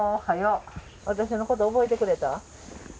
私のこと覚えてくれた？